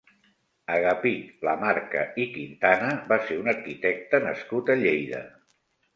Agapit Lamarca i Quintana va ser un arquitecte nascut a Lleida.